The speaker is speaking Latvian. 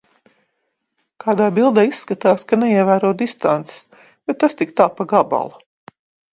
Kādā bildē izskatās, ka neievēro distances, bet tas tā tik pa gabalu.